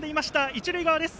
一塁側です。